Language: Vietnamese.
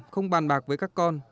không bàn bạc với các con